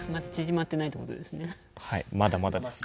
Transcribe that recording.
はいまだまだです。